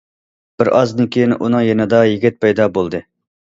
بىر ئازدىن كېيىن ئۇنىڭ يېنىدا يىگىت پەيدا بولدى.